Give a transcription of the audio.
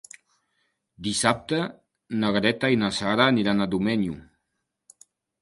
Dissabte na Greta i na Sara aniran a Domenyo.